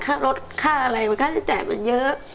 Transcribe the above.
ค่าลดค่าอะไรมันค่าจะจ่ายมันเยอะ